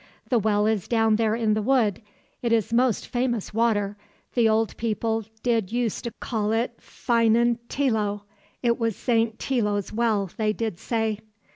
The well is down there in the wood; it is most famous water. The old people did use to call it Ffynnon Teilo; it was Saint Teilo's Well, they did say."